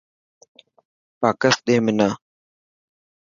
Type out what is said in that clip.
باڪس ڏي منا.